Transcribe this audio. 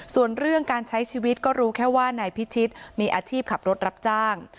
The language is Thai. ส่วนเรื่องการใช้ชีวิตก็รู้แค่ว่านายพิชิตมีอาชีพขับรถรับจ้าง